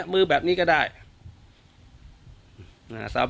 การแก้เคล็ดบางอย่างแค่นั้นเอง